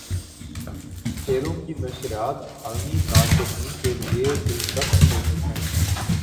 کھیلوں کی نشریات عالمی ناظرین کے لیے دلچسپ ہوتی ہیں۔